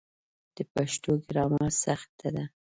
د پښتو ګرامر سخت ده